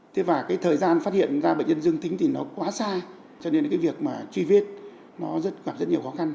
thế và cái thời gian phát hiện ra bệnh nhân dương tính thì nó quá xa cho nên cái việc mà truy vết nó gặp rất nhiều khó khăn